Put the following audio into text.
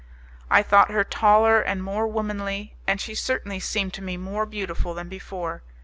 I thought her taller and more womanly, and she certainly seemed to me more beautiful than before.